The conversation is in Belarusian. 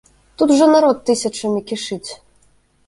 Тут жа народ тысячамі кішыць.